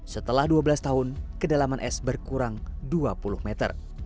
setelah dua belas tahun kedalaman es berkurang dua puluh meter